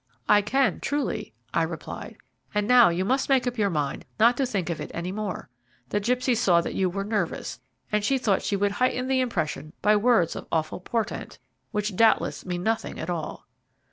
"I can, truly," I replied; "and now you must make up your mind not to think of it any more. The gipsy saw that you were nervous, and she thought she would heighten the impression by words of awful portent, which doubtless mean nothing at all."